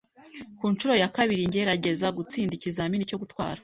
ku nshuro ya kabiri ngerageza gutsinda ikizamini cyo gutwara.